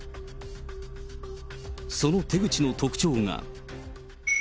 その手口の特徴が。